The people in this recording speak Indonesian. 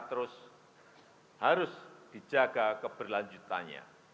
terus harus dijaga keberlanjutannya